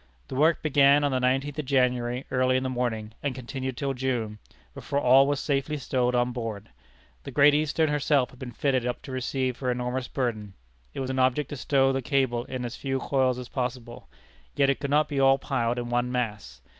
The work began on the nineteenth of January, early in the morning, and continued till June, before all was safely stowed on board. The Great Eastern herself had been fitted up to receive her enormous burden. It was an object to stow the cable in as few coils as possible. Yet it could not be all piled in one mass.